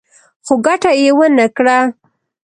خو ګټه يې ونه کړه.